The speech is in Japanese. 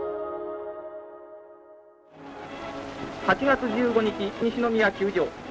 ８月１５日西宮球場。